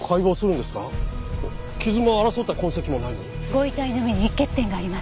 ご遺体の目に溢血点があります。